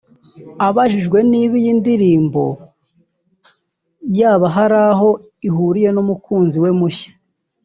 Abajijwe niba iyi ndirimbo yaba hari aho ihuriye n’umukunzi we mushya